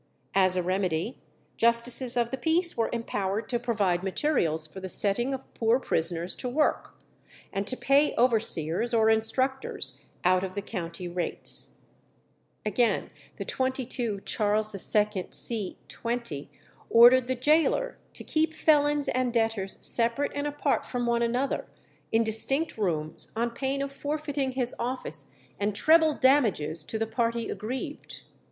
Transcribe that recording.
As a remedy, justices of the peace were empowered to provide materials for the setting of poor prisoners to work, and to pay overseers or instructors out of the county rates. Again, the 22 Charles II. c 20 ordered the gaoler to keep felons and debtors "separate and apart from one another, in distinct rooms, on pain of forfeiting his office and treble damages to the party aggrieved."